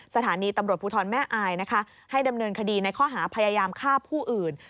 สถานีตำรวจภูทรแม่อายนะคะให้ดำเนินคดีในข้อหาพยายามฆ่าผู้อื่น